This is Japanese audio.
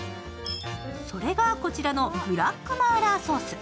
それが、こちらのブラック麻辣ソース。